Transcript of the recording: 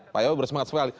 pak yoyo bersemangat sekali